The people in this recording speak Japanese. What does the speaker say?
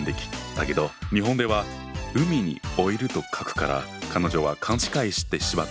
だけど日本では海に老いると書くから彼女は勘違いしてしまったんだね。